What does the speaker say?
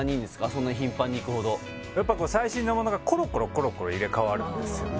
そんなに頻繁に行くほどやっぱ最新の物がコロコロコロコロ入れ替わるんですよね